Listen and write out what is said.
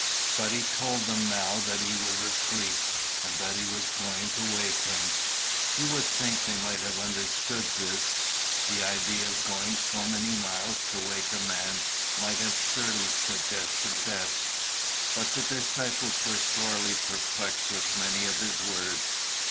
But he told them now that he was asleep, and that he was going to wake him. You would think they might have understood this. The idea of going so many miles to wake a man might have surely suggested death. But the disciples were sorely perplexed with many of his words.